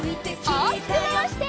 おおきくまわして。